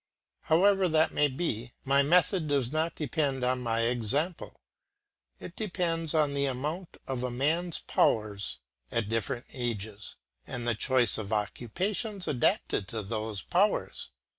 However that may be, my method does not depend on my examples; it depends on the amount of a man's powers at different ages, and the choice of occupations adapted to those powers.